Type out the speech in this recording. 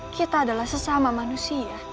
kita adalah sesama manusia